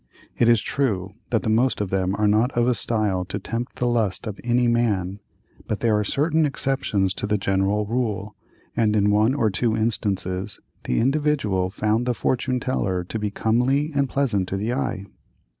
It is true, that the most of them are not of a style to tempt the lust of any man, but there are certain exceptions to the general rule, and in one or two instances the "Individual" found the fortune teller to be comely and pleasant to the eye.